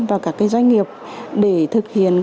và các doanh nghiệp để thực hiện